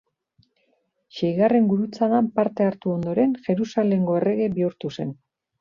Seigarren Gurutzadan parte hartu ondoren, Jerusalengo errege bihurtu zen.